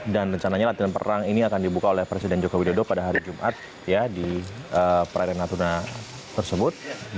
dan rencananya latihan perang ini akan dibuka oleh presiden jokowi dodo pada hari jumat di perairan natuna tersebut